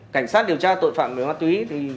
cảnh sát điều tra tội phạm về ma túy